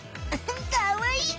かわいい！